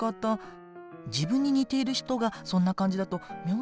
自分に似ている人がそんな感じだと妙に心配になるわねえ。